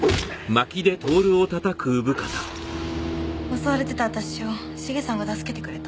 襲われてた私をシゲさんが助けてくれた。